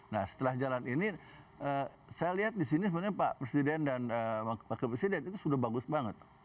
nah setelah jalan ini saya lihat di sini sebenarnya pak presiden dan wakil presiden itu sudah bagus banget